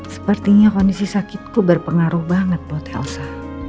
sepertinya kondisi sakitku berpengaruh banget buat helsa